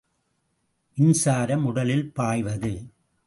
மின்சாரம் உடலில் பாய்வது.